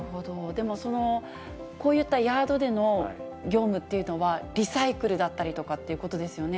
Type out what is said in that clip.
でも、こういったヤードでの業務っていうのは、リサイクルだったりとかっていうことですよね。